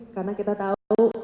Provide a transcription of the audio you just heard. karena kita tau